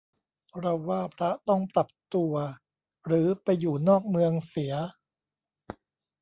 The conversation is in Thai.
เราว่าพระต้องปรับตัว หรือไปอยู่นอกเมืองเสีย